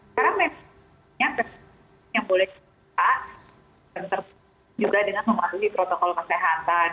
karena memang yang boleh juga dengan mematuhi protokol kesehatan